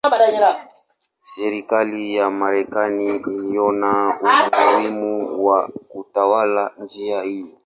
Serikali ya Marekani iliona umuhimu wa kutawala njia hii.